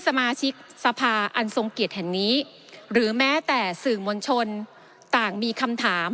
สมาชิกสภาอันทรงเกียรติแห่งนี้หรือแม้แต่สื่อมวลชนต่างมีคำถาม